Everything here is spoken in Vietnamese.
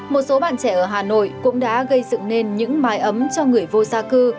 một số bạn trẻ ở hà nội cũng đã gây dựng nên những mái ấm cho người vô gia cư